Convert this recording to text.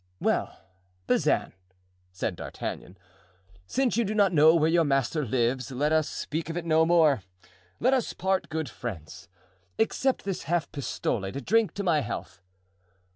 "Well, Bazin," said D'Artagnan, "since you do not know where your master lives, let us speak of it no more; let us part good friends. Accept this half pistole to drink to my health."